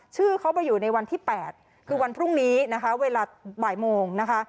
ชื่อเขาไปอยู่ในวันที่๘คือวันพรุ่งนี้นะคะเวลาบ่ายโมงนะคะ